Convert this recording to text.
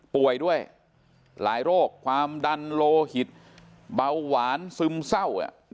ป่วยด้วยหลายโรคความดันโลหิตเบาหวานซึมเศร้า